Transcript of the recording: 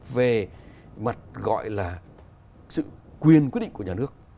về mặt gọi là sự quyền quyết định của nhà nước